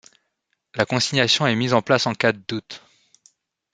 La consignation est mise en place en cas de doute.